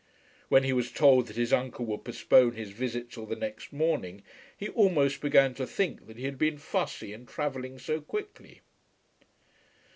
When he was told that his uncle would postpone his visit till the next morning he almost began to think that he had been fussy in travelling so quickly.